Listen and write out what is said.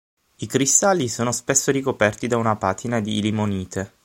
I cristalli sono spesso ricoperti da una patina di limonite.